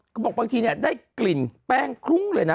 บอกบางทีเนี่ยได้กลิ่นแป้งคลุ้งเลยนะ